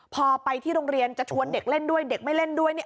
พอไปที่โรงเรียนจะชวนเด็กเล่นด้วยเด็กไม่เล่นด้วยเนี่ย